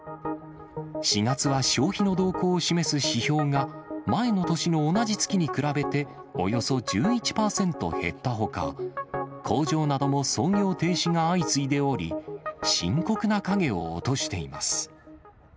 ４月は消費の動向を示す指標が、前の年の同じ月に比べて、およそ１１％減ったほか、工場なども操業停止が相次いでおり、深刻な影を落としています。